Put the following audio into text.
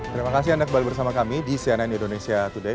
terima kasih anda kembali bersama kami di cnn indonesia today